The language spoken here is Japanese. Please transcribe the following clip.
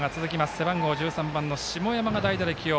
背番号１３番、下山が代打で起用。